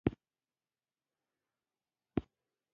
افغانستان نن ورځ په خراب حالت کې دی.